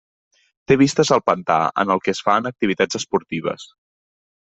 Té vistes al pantà, en el que es fan activitats esportives.